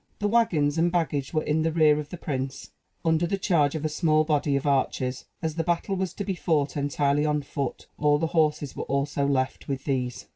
The wagons and baggage were in the rear of the prince, under the charge of a small body of archers. As the battle was to be fought entirely on foot, all the horses were also left with these.